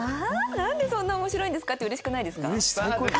「なんでそんな面白いんですか？」ってうれしくないですか？